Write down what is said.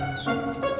kau mau berangkat